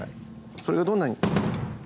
それをどんなに。